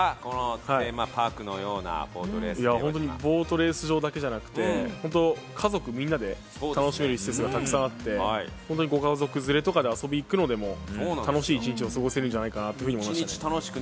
ボートレース場だけじゃなくて、家族みんなで楽しめる施設がたくさんあって本当にご家族連れとかで遊びに行くのでも、楽しい一日が過ごせ面じゃないかなと。